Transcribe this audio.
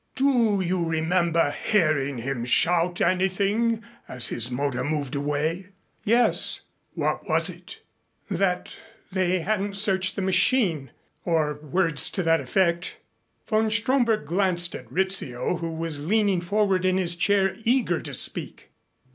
"Do you remember hearing him shout anything as his motor moved away?" "Yes." "What was it?" "That they hadn't searched the machine or words to that effect." Von Stromberg glanced at Rizzio, who was leaning forward in his chair, eager to speak.